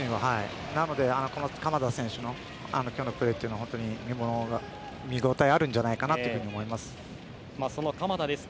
なので鎌田選手の今日のプレーは、見応えがあるんじゃないかと思います。